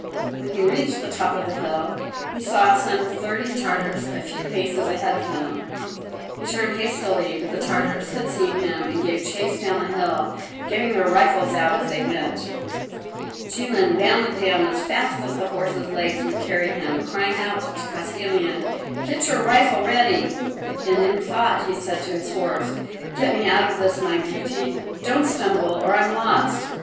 When he reached the top of the hill he saw some thirty Tartars a few paces ahead of him. He turned hastily, but the Tartars had seen him and gave chase down the hill, getting their rifles out as they went. Jilin bounded down as fast as the horse's legs would carry him, crying out to Kostilin, "Get your rifle ready!" And in thought he said to his horse, "Get me out of this, my beauty; don't stumble, or I'm lost.